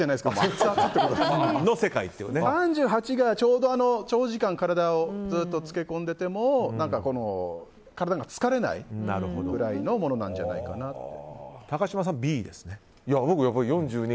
３８がちょうど、長時間体をつけ込んでても体が疲れないぐらいのものなんじゃないかなと。